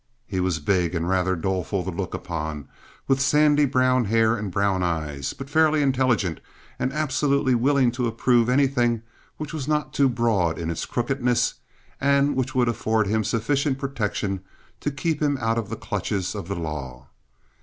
He was big and rather doleful to look upon, with sandy brown hair and brown eyes, but fairly intelligent, and absolutely willing to approve anything which was not too broad in its crookedness and which would afford him sufficient protection to keep him out of the clutches of the law.